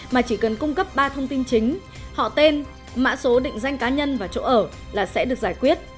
mà chỉ cần cung cấp ba thông tin chính họ tên mã số định danh cá nhân và chỗ ở là sẽ được giải quyết